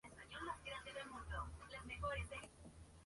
A la mañana siguiente, el jefe de pelotón informó de su desaparición.